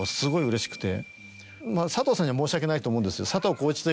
佐藤さんには申し訳ないと思うんですよ。